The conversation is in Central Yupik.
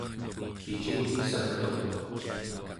picingssagtuq